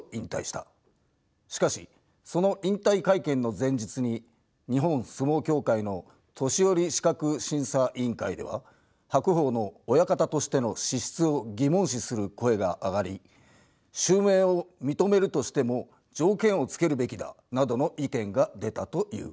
しかしその引退会見の前日に日本相撲協会の年寄資格審査委員会では白鵬の親方としての資質を疑問視する声が上がり襲名を認めるとしても条件をつけるべきだなどの意見が出たという。